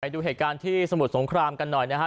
ดูเหตุการณ์ที่สมุทรสงครามกันหน่อยนะฮะ